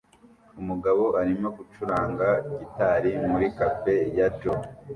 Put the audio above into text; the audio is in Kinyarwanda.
Umugabo arimo gucuranga gitari muri Cafe ya Joe